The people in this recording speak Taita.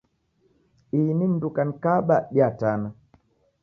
Ini mundu kanikaba diatana.